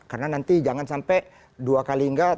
karena nanti jangan sampai dua kali enggak